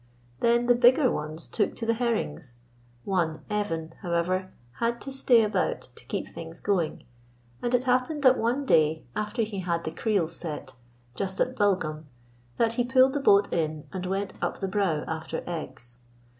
Then the bigger ones took to the herrings. One, Evan, however, had to stay about to keep things going, and it happened that one day, after he had the creels set, just at Bulgham, that he pulled the boat in and went up the brow after eggs.